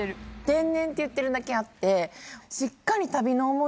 天然って言ってるだけあってしっかり。